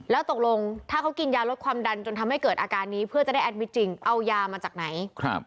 แล้วตกลงถ้าเขากินยาลดความดันจนทำให้เกิดอาการนี้เพื่อจะได้แอดมิตรจริงเอายามาจากไหน